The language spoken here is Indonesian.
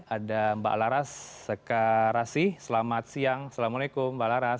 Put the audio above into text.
ada mbak laras sekarasi selamat siang assalamualaikum mbak laras